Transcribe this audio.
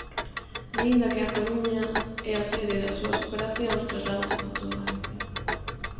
Aínda que A Coruña é a sede das súas operacións, trasládanse por toda Galicia.